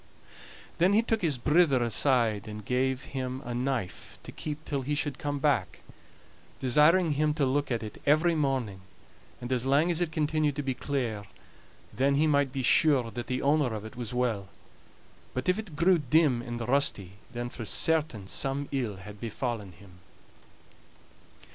Then he took his brither aside, and gave him a knife to keep till he should come back, desiring him to look at it every morning, and as lang as it continued to be clear, then he might be sure that the owner of it was well; but if it grew dim and rusty, then for certain some ill had befallen him.